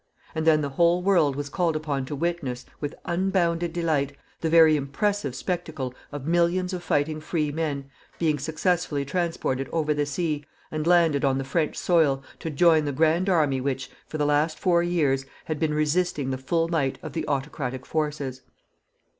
And then the whole world was called upon to witness, with unbounded delight, the very impressive spectacle of millions of fighting free men being successfully transported over the sea, and landed on the French soil, to join the grand army which, for the last four years, had been resisting the full might of the autocratic forces.